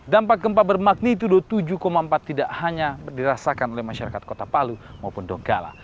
dampak gempa bermagnitudo tujuh empat tidak hanya dirasakan oleh masyarakat kota palu maupun donggala